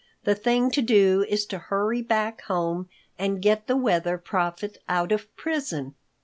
The thing to do is to hurry back home and get the Weather Prophet out of prison."